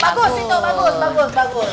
oh bagus itu bagus bagus bagus